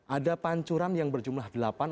ada pancuran yang berjumlah delapan